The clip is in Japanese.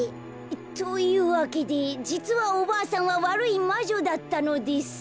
というわけでじつはおばあさんはわるいまじょだったのです。